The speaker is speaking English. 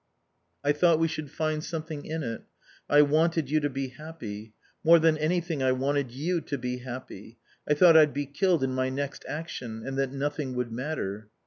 "I thought we should find something in it. I wanted you to be happy. More than anything I wanted you to be happy. I thought I'd be killed in my next action and that nothing would matter."